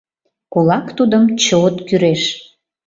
Кулак тудым чот кӱреш.